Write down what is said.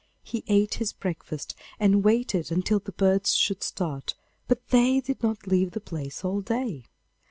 He ate his breakfast, and waited until the birds should start, but they did not leave the place all day.